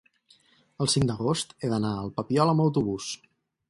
el cinc d'agost he d'anar al Papiol amb autobús.